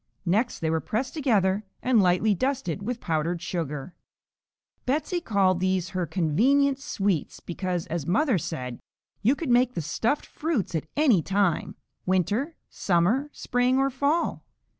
Next they were pressed together and lightly dusted with powdered sugar. Betsey called these her "convenient sweets" because, as mother said, you could make the stuffed fruits at any time: winter, summer, spring or fall.